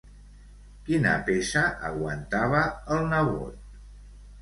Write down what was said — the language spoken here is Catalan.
Quina peça aguantava el nebot?